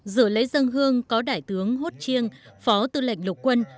dự lễ dân hương có đại tướng hốt chiêng phó tư lệnh lục quân